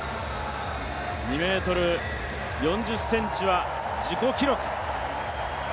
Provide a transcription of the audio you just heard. ２ｍ４０ｃｍは自己記録。